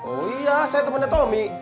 oh iya saya temennya tommy